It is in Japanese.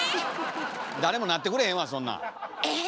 誰もなってくれへんわそんなん！え。